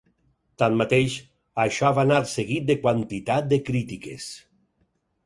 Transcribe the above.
Tanmateix, això va anar seguit de quantitat de crítiques.